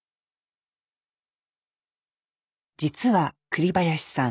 実は栗林さん